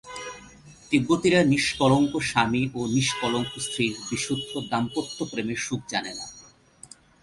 তিব্বতীরা নিষ্কলঙ্ক স্বামী ও নিষ্কলঙ্ক স্ত্রীর বিশুদ্ধ দাম্পত্যপ্রেমের সুখ জানে না।